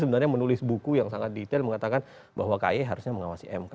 sebenarnya menulis buku yang sangat detail mengatakan bahwa kaye harusnya mengawasi mk